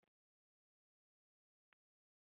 Y amavuko iyo bagishakirwa ibigo